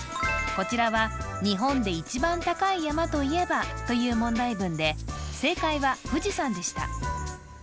こちらは日本で一番高い山といえば？という問題文で正解は富士山でした